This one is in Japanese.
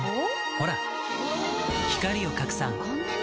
ほら光を拡散こんなに！